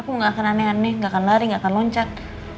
aku gak akan aneh aneh gak akan lari gak akan loncat